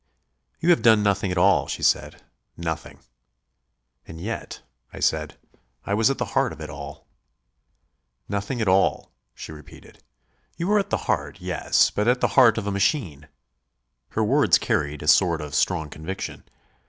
"You have done nothing at all," she said. "Nothing." "And yet," I said, "I was at the heart of it all." "Nothing at all," she repeated. "You were at the heart, yes; but at the heart of a machine." Her words carried a sort of strong conviction.